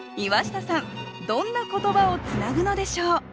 どんな言葉をつなぐのでしょう？